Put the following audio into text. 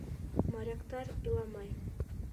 Моряктар иламай.